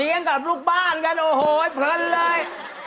กับลูกบ้านกันโอ้โหเพลินเลย